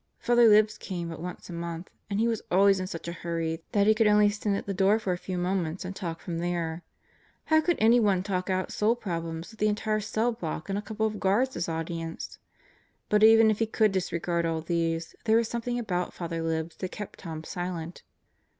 Father Libs came but once a month, and he was always in such a hurry that he could only stand at the door for a few moments and talk from there. How could anyone talk out soul problems with the entire cell block and a couple of guards as audience? But even if he could disregard all these, there was something about Father Libs that kept Tom silent.